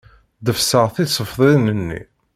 Ḍefseɣ tisefḍin-nni.